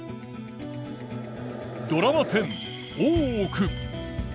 ドラマ１０「大奥」。